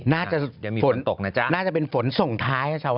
น่าจะมีฝนตกนะจ๊ะน่าจะเป็นฝนส่งท้ายนะชาวบ้าน